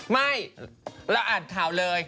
ไม่เราอ่านข่าวเลย